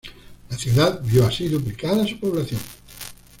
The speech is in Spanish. La ciudad vio así duplicada su población.